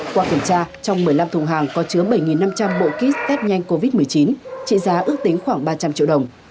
qua kiểm tra trong một mươi năm thùng hàng có chứa bảy năm trăm linh bộ kit test nhanh covid một mươi chín trị giá ước tính khoảng ba trăm linh triệu đồng